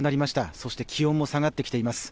そして気温も下がってきています。